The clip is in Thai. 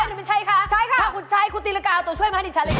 ถ้าคุณใช้คุณตีละการเอาตัวช่วยมาให้ฉันเลยค่ะ